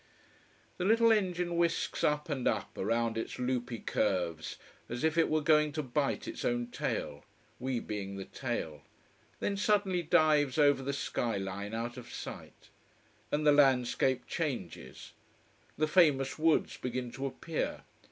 The little engine whisks up and up, around its loopy curves as if it were going to bite its own tail: we being the tail: then suddenly dives over the sky line out of sight. And the landscape changes. The famous woods begin to appear.